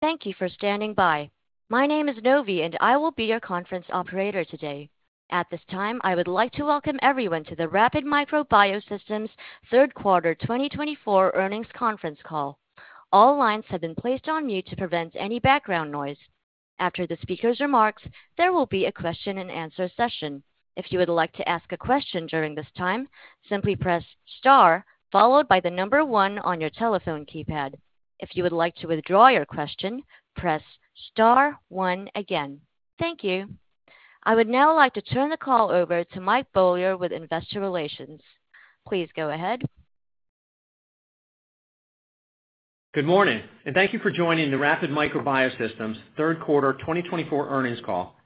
Thank you for standing by. My name is Novi, and I will be your conference operator today. At this time, I would like to welcome everyone to the Rapid Micro Biosystems Q3 2024 earnings conference call. All lines have been placed on mute to prevent any background noise. After the speaker's remarks, there will be a question-and-answer session. If you would like to ask a question during this time, simply press star, followed by the number one on your telephone keypad. If you would like to withdraw your question, press star one again. Thank you. I would now like to turn the call over to Mike Beaulieu with Investor Relations. Please go ahead. Good morning, and thank you for joining the Rapid Micro Biosystems Q3 2024 earnings call.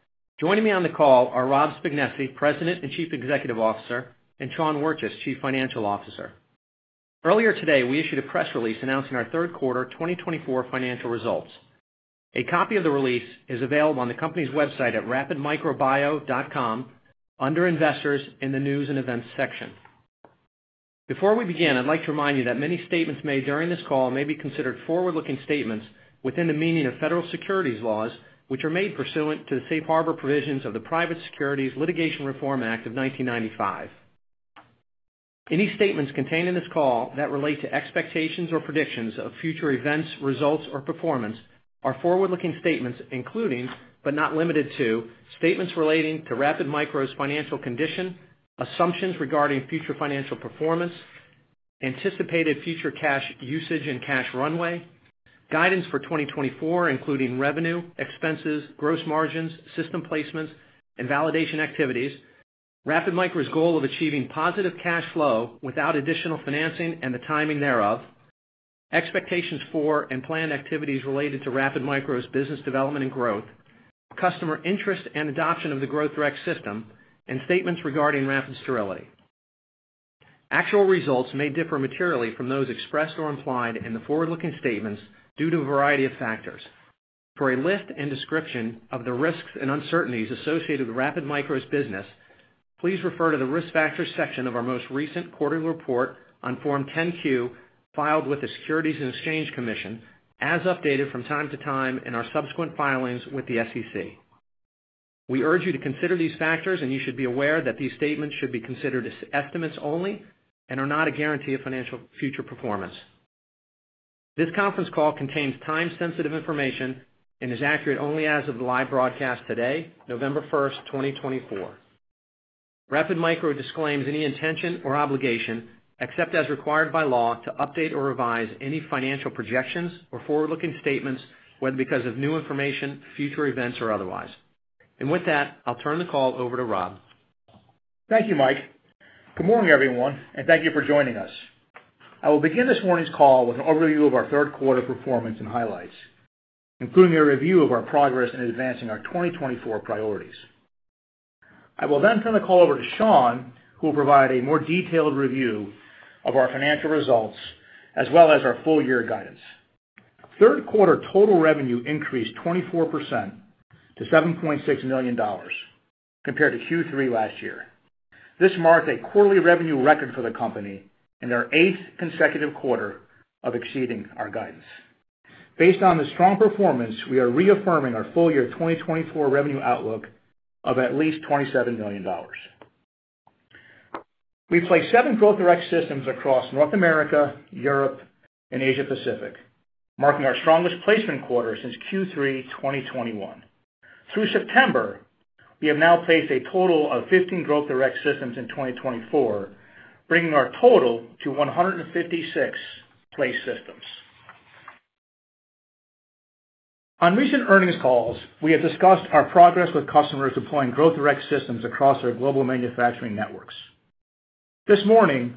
Joining me on the call are Rob Spignesi, President and Chief Executive Officer, and Sean Wirtjes, Chief Financial Officer. Earlier today, we issued a press release announcing our Q3 2024 financial results. A copy of the release is available on the company's website at rapidmicrobio.com under Investors in the News and Events section. Before we begin, I'd like to remind you that many statements made during this call may be considered forward-looking statements within the meaning of federal securities laws, which are made pursuant to the safe harbor provisions of the Private Securities Litigation Reform Act of 1995. Any statements contained in this call that relate to expectations or predictions of future events, results, or performance are forward-looking statements, including, but not limited to, statements relating to Rapid Micro's financial condition, assumptions regarding future financial performance, anticipated future cash usage and cash runway, guidance for 2024 including revenue, expenses, gross margins, system placements, and validation activities, Rapid Micro's goal of achieving positive cash flow without additional financing and the timing thereof, expectations for and planned activities related to Rapid Micro's business development and growth, customer interest and adoption of the Growth Direct system, and statements regarding Rapid Sterility. Actual results may differ materially from those expressed or implied in the forward-looking statements due to a variety of factors. For a list and description of the risks and uncertainties associated with Rapid Micro's business, please refer to the risk factors section of our most recent quarterly report on Form 10-Q filed with the Securities and Exchange Commission, as updated from time to time in our subsequent filings with the SEC. We urge you to consider these factors, and you should be aware that these statements should be considered estimates only and are not a guarantee of financial future performance. This conference call contains time-sensitive information and is accurate only as of the live broadcast today, November 1, 2024. Rapid Micro disclaims any intention or obligation, except as required by law, to update or revise any financial projections or forward-looking statements, whether because of new information, future events, or otherwise. And with that, I'll turn the call over to Rob. Thank you, Mike. Good morning, everyone, and thank you for joining us. I will begin this morning's call with an overview of our Q3 performance and highlights, including a review of our progress in advancing our 2024 priorities. I will then turn the call over to Sean, who will provide a more detailed review of our financial results as well as our full-year guidance. Q3 total revenue increased 24% to $7.6 million compared to Q3 last year. This marked a quarterly revenue record for the company in our eighth consecutive quarter of exceeding our guidance. Based on this strong performance, we are reaffirming our full-year 2024 revenue outlook of at least $27 million. We place seven Growth Direct systems across North America, Europe, and Asia Pacific, marking our strongest placement quarter since Q3 2021. Through September, we have now placed a total of 15 Growth Direct systems in 2024, bringing our total to 156 placed systems. On recent earnings calls, we have discussed our progress with customers deploying Growth Direct systems across our global manufacturing networks. This morning,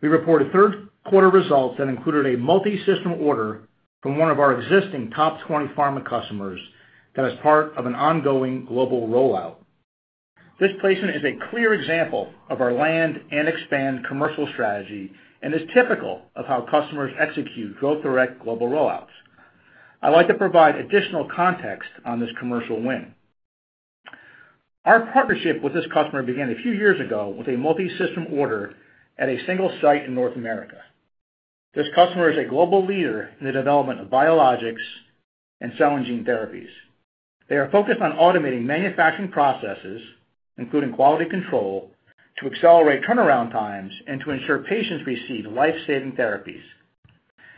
we reported Q3 results that included a multi-system order from one of our existing top 20 pharma customers that is part of an ongoing global rollout. This placement is a clear example of our land and expand commercial strategy and is typical of how customers execute Growth Direct global rollouts. I'd like to provide additional context on this commercial win. Our partnership with this customer began a few years ago with a multi-system order at a single site in North America. This customer is a global leader in the development of biologics and cell and gene therapies. They are focused on automating manufacturing processes, including quality control, to accelerate turnaround times and to ensure patients receive life-saving therapies.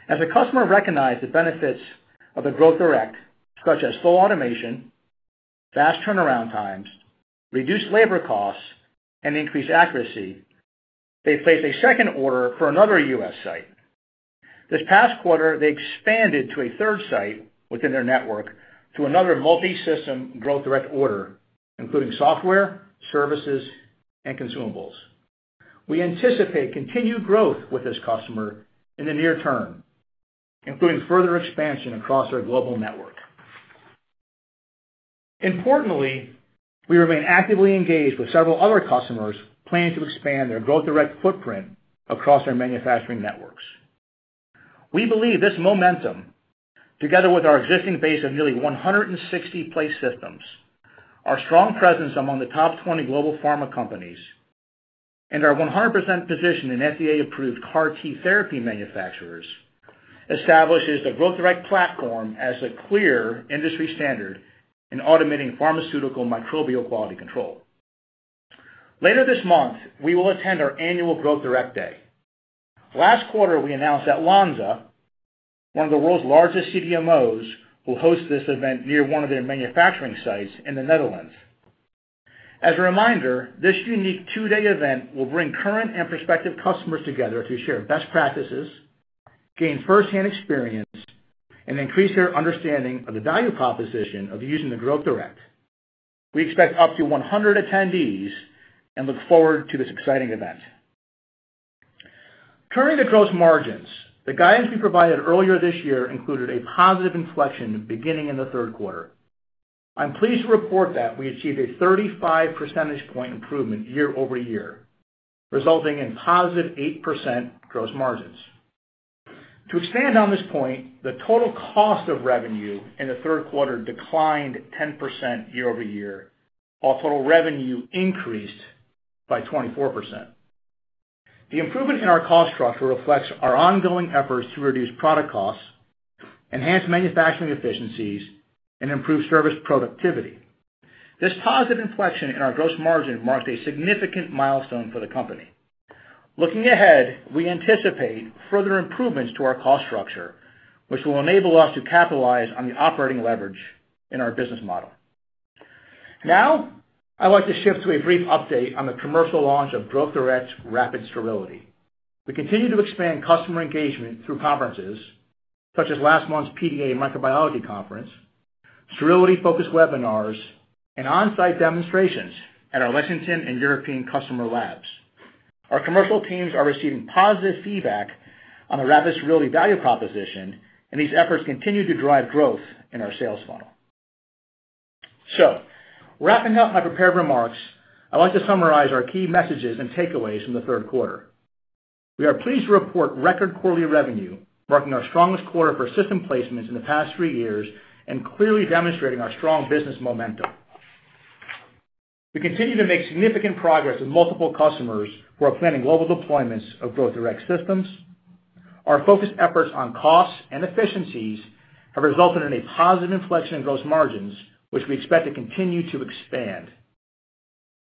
As a customer recognized the benefits of the Growth Direct, such as full automation, fast turnaround times, reduced labor costs, and increased accuracy, they placed a second order for another U.S. site. This past quarter, they expanded to a third site within their network to another multi-system Growth Direct order, including software, services, and consumables. We anticipate continued growth with this customer in the near term, including further expansion across our global network. Importantly, we remain actively engaged with several other customers planning to expand their Growth Direct footprint across our manufacturing networks. We believe this momentum, together with our existing base of nearly 160 placed systems, our strong presence among the top 20 global pharma companies, and our 100% position in FDA-approved CAR-T therapy manufacturers establishes the Growth Direct platform as a clear industry standard in automating pharmaceutical microbial quality control. Later this month, we will attend our annual Growth Direct Day. Last quarter, we announced that Lonza, one of the world's largest CDMOs, will host this event near one of their manufacturing sites in the Netherlands. As a reminder, this unique two-day event will bring current and prospective customers together to share best practices, gain firsthand experience, and increase their understanding of the value proposition of using the Growth Direct. We expect up to 100 attendees and look forward to this exciting event. Turning to gross margins, the guidance we provided earlier this year included a positive inflection beginning in the Q3. I'm pleased to report that we achieved a 35 percentage point improvement year over year, resulting in positive 8% gross margins. To expand on this point, the total cost of revenue in the Q3 declined 10% year over year, while total revenue increased by 24%. The improvement in our cost structure reflects our ongoing efforts to reduce product costs, enhance manufacturing efficiencies, and improve service productivity. This positive inflection in our gross margin marked a significant milestone for the company. Looking ahead, we anticipate further improvements to our cost structure, which will enable us to capitalize on the operating leverage in our business model. Now, I'd like to shift to a brief update on the commercial launch of Growth Direct's Rapid Sterility. We continue to expand customer engagement through conferences, such as last month's PDA Microbiology Conference, sterility-focused webinars, and on-site demonstrations at our Lexington and European customer labs. Our commercial teams are receiving positive feedback on the Rapid Sterility value proposition, and these efforts continue to drive growth in our sales funnel. So, wrapping up my prepared remarks, I'd like to summarize our key messages and takeaways from the Q3. We are pleased to report record quarterly revenue, marking our strongest quarter for system placements in the past three years and clearly demonstrating our strong business momentum. We continue to make significant progress with multiple customers who are planning global deployments of Growth Direct systems. Our focused efforts on costs and efficiencies have resulted in a positive inflection in gross margins, which we expect to continue to expand.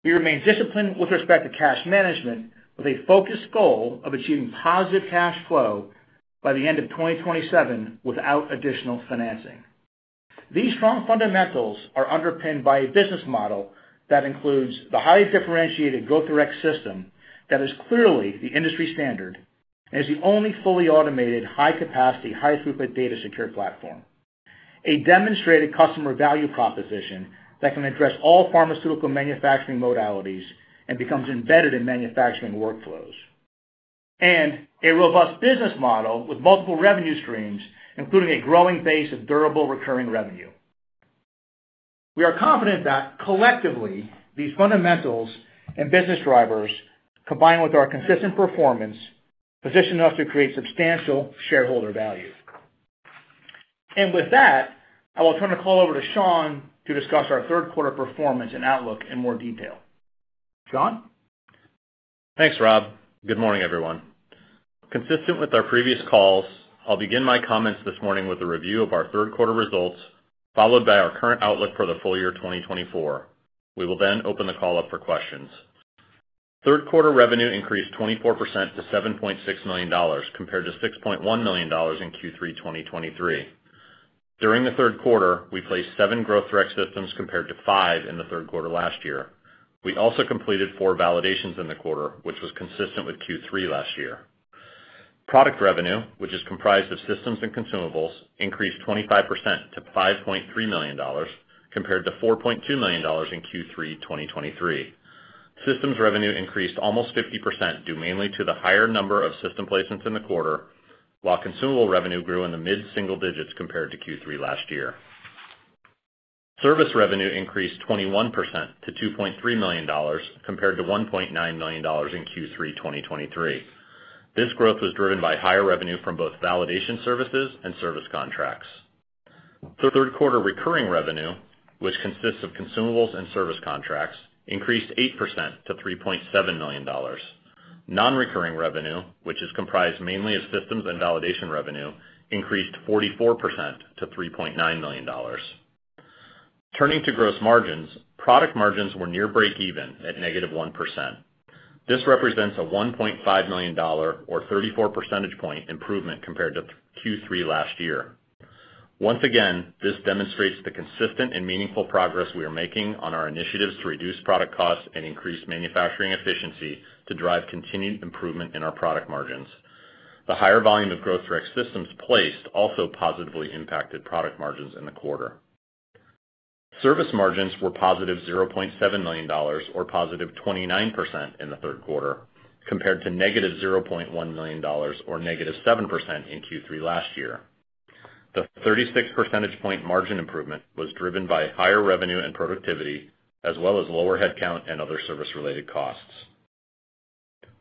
We remain disciplined with respect to cash management, with a focused goal of achieving positive cash flow by the end of 2027 without additional financing. These strong fundamentals are underpinned by a business model that includes the highly differentiated Growth Direct system that is clearly the industry standard and is the only fully automated, high-capacity, high-throughput data-secured platform, a demonstrated customer value proposition that can address all pharmaceutical manufacturing modalities and becomes embedded in manufacturing workflows, and a robust business model with multiple revenue streams, including a growing base of durable recurring revenue. We are confident that, collectively, these fundamentals and business drivers, combined with our consistent performance, position us to create substantial shareholder value. And with that, I will turn the call over to Sean to discuss our Q3 performance and outlook in more detail. Sean? Thanks, Rob. Good morning, everyone. Consistent with our previous calls, I'll begin my comments this morning with a review of our Q3 results, followed by our current outlook for the full year 2024. We will then open the call up for questions. Q3 revenue increased 24% to $7.6 million compared to $6.1 million in Q3 2023. During the Q3, we placed seven Growth Direct systems compared to five in the Q3 last year. We also completed four validations in the quarter, which was consistent with Q3 last year. Product revenue, which is comprised of systems and consumables, increased 25% to $5.3 million compared to $4.2 million in Q3 2023. Systems revenue increased almost 50% due mainly to the higher number of system placements in the quarter, while consumable revenue grew in the mid-single digits compared to Q3 last year. Service revenue increased 21% to $2.3 million compared to $1.9 million in Q3 2023. This growth was driven by higher revenue from both validation services and service contracts. Q3 recurring revenue, which consists of consumables and service contracts, increased 8% to $3.7 million. Non-recurring revenue, which is comprised mainly of systems and validation revenue, increased 44% to $3.9 million. Turning to gross margins, product margins were near break-even at negative 1%. This represents a $1.5 million, or 34 percentage point, improvement compared to Q3 last year. Once again this demonstrates the consistent and meaningful progress we are making on our initiatives to reduce product costs and increase manufacturing efficiency to drive continued improvement in our product margins. The higher volume of Growth Direct systems placed also positively impacted product margins in the quarter. Service margins were positive $0.7 million, or positive 29% in the Q3, compared to negative $0.1 million, or negative 7% in Q3 last year. The 36 percentage point margin improvement was driven by higher revenue and productivity, as well as lower headcount and other service-related costs.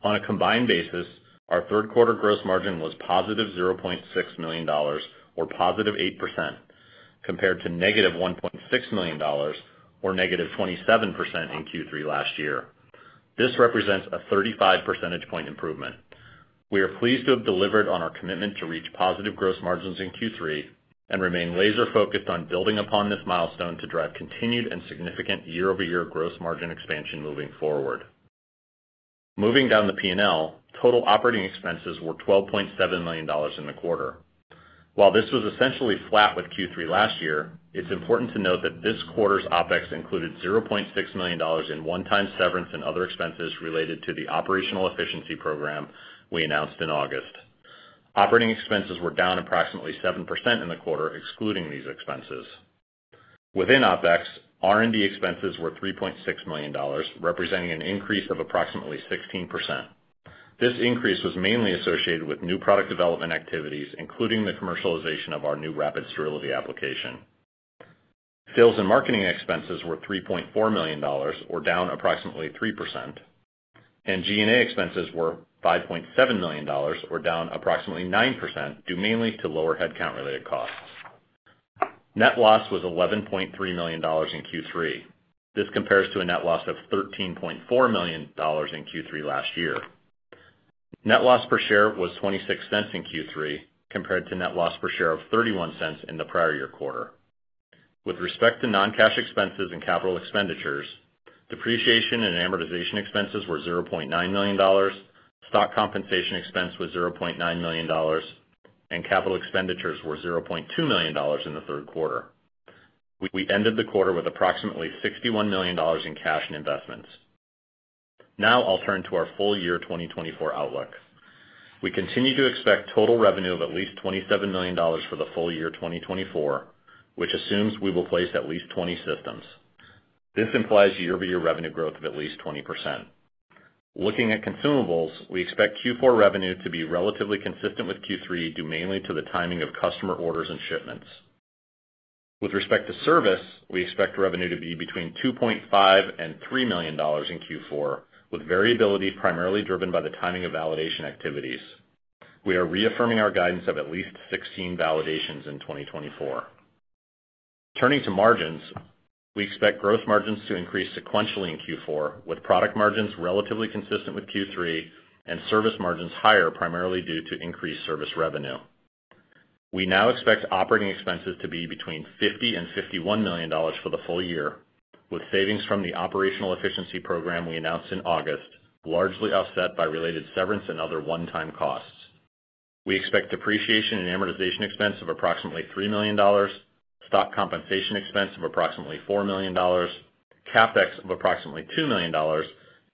On a combined basis, our Q3 gross margin was positive $0.6 million, or positive 8%, compared to negative $1.6 million, or negative 27% in Q3 last year. This represents a 35 percentage point improvement. We are pleased to have delivered on our commitment to reach positive gross margins in Q3 and remain laser-focused on building upon this milestone to drive continued and significant year-over-year gross margin expansion moving forward. Moving down the P&L, total operating expenses were $12.7 million in the quarter. While this was essentially flat with Q3 last year, it's important to note that this quarter's OpEx included $0.6 million in one-time severance and other expenses related to the operational efficiency program we announced in August. Operating expenses were down approximately 7% in the quarter, excluding these expenses. Within OpEx, R&D expenses were $3.6 million, representing an increase of approximately 16%. This increase was mainly associated with new product development activities, including the commercialization of our new Rapid Sterility application. Sales and marketing expenses were $3.4 million, or down approximately 3%, and G&A expenses were $5.7 million, or down approximately 9%, due mainly to lower headcount-related costs. Net loss was $11.3 million in Q3. This compares to a net loss of $13.4 million in Q3 last year. Net loss per share was $0.26 in Q3, compared to net loss per share of $0.31 in the prior year quarter. With respect to non-cash expenses and capital expenditures, depreciation and amortization expenses were $0.9 million, stock compensation expense was $0.9 million, and capital expenditures were $0.2 million in the Q3. We ended the quarter with approximately $61 million in cash and investments. Now, I'll turn to our full year 2024 outlook. We continue to expect total revenue of at least $27 million for the full year 2024 which assumes we will place at least 20 systems. This implies year-over-year revenue growth of at least 20%. Looking at consumables, we expect Q4 revenue to be relatively consistent with Q3, due mainly to the timing of customer orders and shipments. With respect to service, we expect revenue to be between $2.5 and $3 million in Q4, with variability primarily driven by the timing of validation activities. We are reaffirming our guidance of at least 16 validations in 2024. Turning to margins, we expect gross margins to increase sequentially in Q4, with product margins relatively consistent with Q3 and service margins higher, primarily due to increased service revenue. We now expect operating expenses to be between $50 and $51 million for the full year, with savings from the operational efficiency program we announced in August, largely offset by related severance and other one-time costs. We expect depreciation and amortization expense of approximately $3 million, stock compensation expense of approximately $4 million, CapEx of approximately $2 million,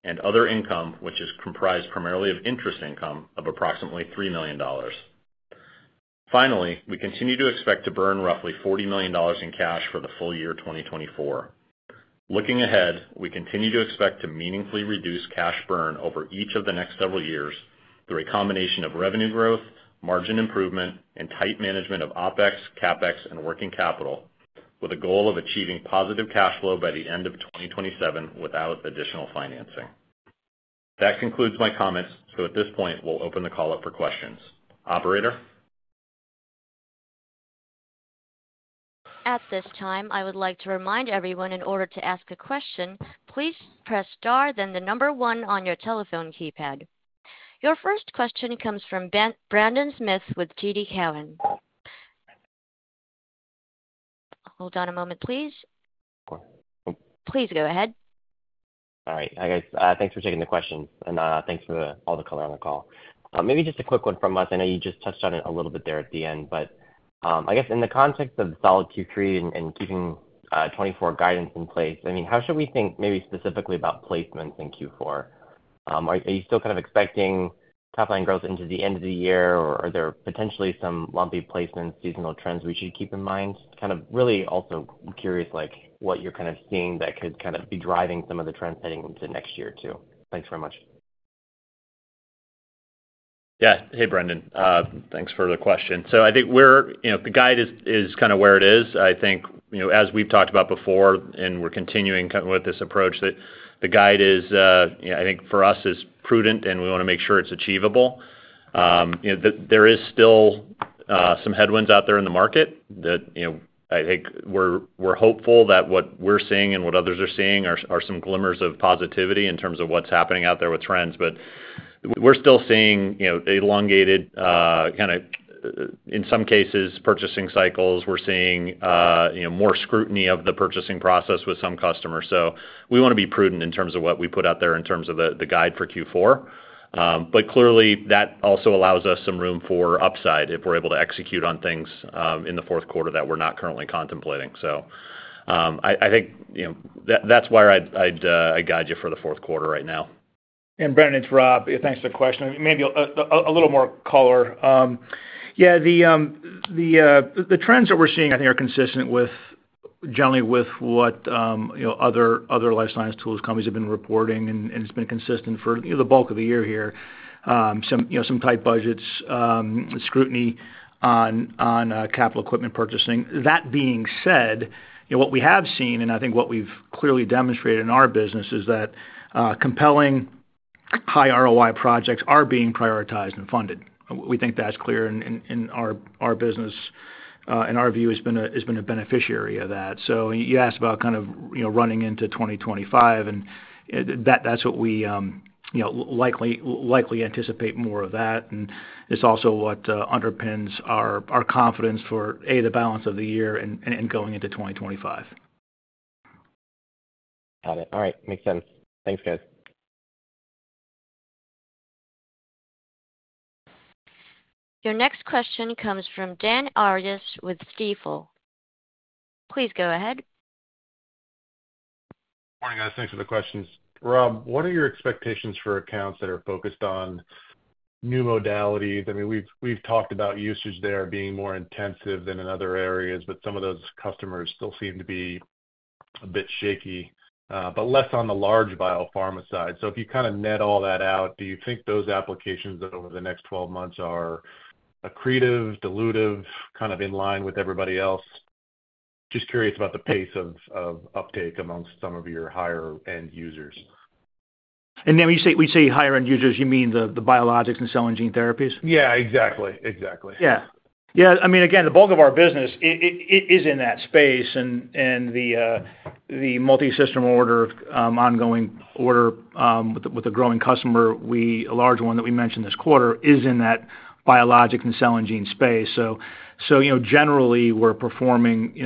and other income, which is comprised primarily of interest income, of approximately $3 million. Finally, we continue to expect to burn roughly $40 million in cash for the full year 2024. Looking ahead, we continue to expect to meaningfully reduce cash burn over each of the next several years through a combination of revenue growth, margin improvement, and tight management of OpEx, CapEx, and working capital with a goal of achieving positive cash flow by the end of 2027 without additional financing. That concludes my comments, so at this point, we'll open the call up for questions. Operator? At this time, I would like to remind everyone, in order to ask a question, please press star, then the number one on your telephone keypad. Your first question comes from Brendan Smith with TD Cowen. Hold on a moment, please. Please go ahead. All right. Hi, guys. Thanks for taking the questions, and thanks for all the color on the call. Maybe just a quick one from us. I know you just touched on it a little bit there at the end, but I guess in the context of solid Q3 and keeping Q4 guidance in place, I mean, how should we think maybe specifically about placements in Q4? Are you still kind of expecting top-line growth into the end of the year, or are there potentially some lumpy placements, seasonal trends we should keep in mind? Kind of really also curious what you're kind of seeing that could kind of be driving some of the trends heading into next year too. Thanks very much. Yeah. Hey, Brendan. Thanks for the question. So I think the guide is kind of where it is. I think, as we've talked about before, and we're continuing with this approach, that the guide is, I think, for us, is prudent, and we want to make sure it's achievable. There is still some headwinds out there in the market. I think we're hopeful that what we're seeing and what others are seeing are some glimmers of positivity in terms of what's happening out there with trends, but we're still seeing elongated, kind of in some cases, purchasing cycles. We're seeing more scrutiny of the purchasing process with some customers. So we want to be prudent in terms of what we put out there in terms of the guide for Q4. But clearly, that also allows us some room for upside if we're able to execute on things in the Q4 that we're not currently contemplating. So I think that's why I'd guide you for the Q4 right now. Brendan, it's Rob. Thanks for the question. Maybe a little more color. Yeah, the trends that we're seeing, I think, are consistent with generally with what other life science tools companies have been reporting, and it's been consistent for the bulk of the year here. Some tight budgets, scrutiny on capital equipment purchasing. That being said, what we have seen, and I think what we've clearly demonstrated in our business, is that compelling high ROI projects are being prioritized and funded. We think that's clear in our business. In our view it's been a beneficiary of that. So you asked about kind of running into 2025, and that's what we likely anticipate more of that. And it's also what underpins our confidence for, A, the balance of the year and going into 2025. Got it. All right. Makes sense. Thanks, guys. Your next question comes from Dan Arias with Stifel. Please go ahead. Morning, guys. Thanks for the questions. Rob, what are your expectations for accounts that are focused on new modalities? I mean, we've talked about usage there being more intensive than in other areas, but some of those customers still seem to be a bit shaky, but less on the large biopharma side. So if you kind of net all that out, do you think those applications over the next 12 months are accretive, dilutive, kind of in line with everybody else? Just curious about the pace of uptake amongst some of your higher-end users. When you say higher-end users, you mean the biologics and cell and gene therapies? Yeah, exactly. Exactly. Yeah. Yeah. I mean, again, the bulk of our business is in that space. And the multi-system order, ongoing order with a growing customer, a large one that we mentioned this quarter, is in that biologics and cell and gene space. So generally, we're performing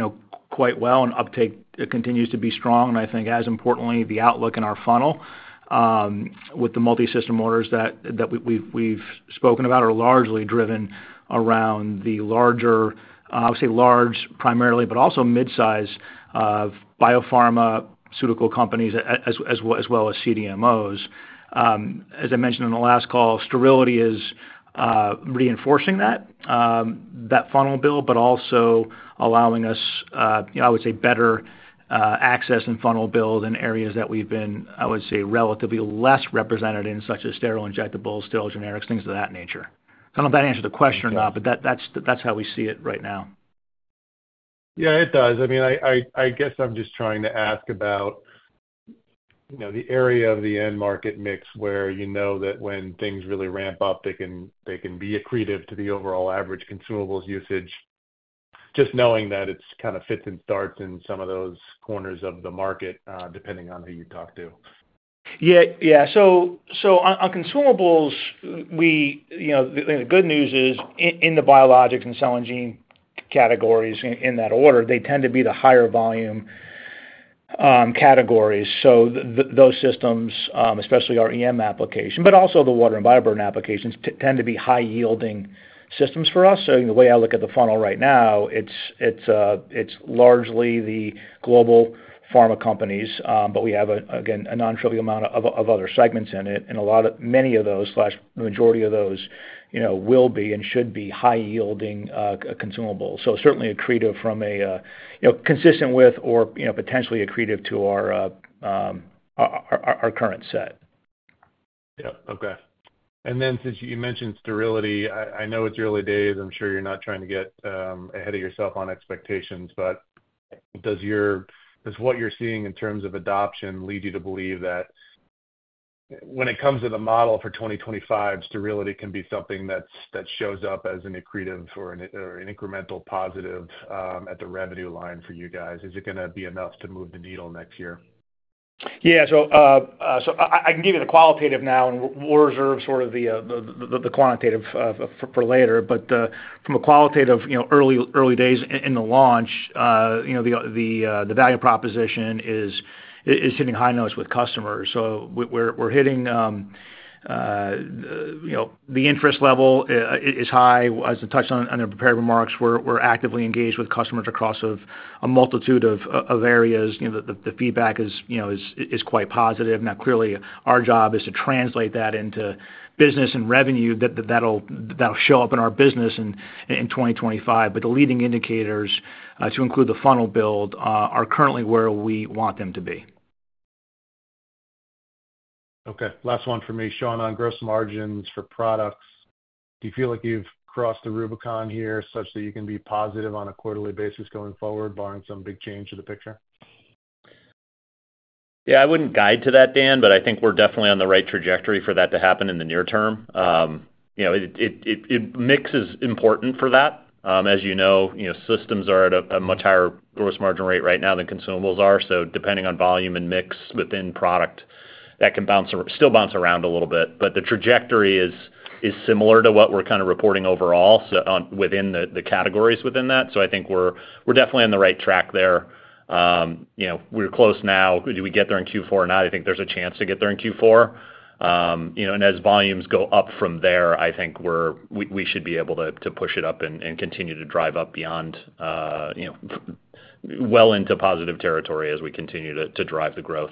quite well, and uptake continues to be strong. And I think, as importantly, the outlook in our funnel with the multi-system orders that we've spoken about are largely driven around the larger, I would say large, primarily, but also mid-size biopharmaceutical companies as well as CDMOs. As I mentioned in the last call, Sterility is reinforcing that funnel build, but also allowing us, I would say, better access and funnel build in areas that we've been, I would say, relatively less represented in such as sterile injectables, sterile generics, things of that nature. I don't know if that answers the question or not, but that's how we see it right now. Yeah, it does. I mean, I guess I'm just trying to ask about the area of the end market mix where you know that when things really ramp up, they can be accretive to the overall average consumables usage, just knowing that it kind of fits and starts in some of those corners of the market, depending on who you talk to. Yeah. Yeah. So on consumables, the good news is in the biologics and cell and gene categories in that order, they tend to be the higher volume categories. So those systems, especially our EM application, but also the water and bioburden applications, tend to be high-yielding systems for us. So the way I look at the funnel right now, it's largely the global pharma companies, but we have, again, a non-trivial amount of other segments in it. And many of those, slash the majority of those, will be and should be high-yielding consumables. So certainly accretive from a consistent with or potentially accretive to our current set. Yeah. Okay. And then since you mentioned Sterility, I know it's early days. I'm sure you're not trying to get ahead of yourself on expectations, but does what you're seeing in terms of adoption lead you to believe that when it comes to the model for 2025, Sterility can be something that shows up as an accretive or an incremental positive at the revenue line for you guys? Is it going to be enough to move the needle next year? Yeah. So I can give you the qualitative now, and we'll reserve sort of the quantitative for later. But from a qualitative, early days in the launch, the value proposition is hitting high notes with customers. So we're hitting. The interest level is high. As I touched on in the prepared remarks, we're actively engaged with customers across a multitude of areas. The feedback is quite positive. Now, clearly, our job is to translate that into business and revenue that'll show up in our business in 2025. But the leading indicators, to include the funnel build, are currently where we want them to be. Okay. Last one for me. Sean on gross margins for products. Do you feel like you've crossed the Rubicon here such that you can be positive on a quarterly basis going forward, barring some big change to the picture? Yeah. I wouldn't guide to that, Dan, but I think we're definitely on the right trajectory for that to happen in the near term. Mix is important for that. As you know, systems are at a much higher gross margin rate right now than consumables are. So depending on volume and mix within product, that can still bounce around a little bit. But the trajectory is similar to what we're kind of reporting overall within the categories within that. So I think we're definitely on the right track there. We're close now. Do we get there in Q4 or not? I think there's a chance to get there in Q4. And as volumes go up from there, I think we should be able to push it up and continue to drive up well into positive territory as we continue to drive the growth.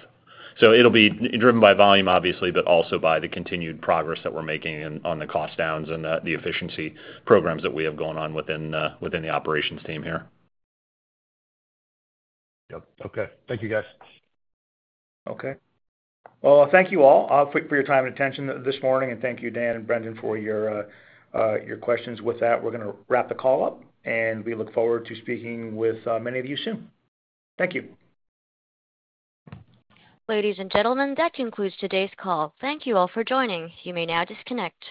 So it'll be driven by volume, obviously, but also by the continued progress that we're making on the cost downs and the efficiency programs that we have going on within the operations team here. Yep. Okay. Thank you, guys. Okay. Well, thank you all for your time and attention this morning. And thank you, Dan and Brendan, for your questions. With that, we're going to wrap the call up, and we look forward to speaking with many of you soon. Thank you. Ladies and gentlemen, that concludes today's call. Thank you all for joining. You may now disconnect.